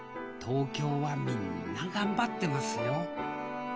東京はみんな頑張ってますよ。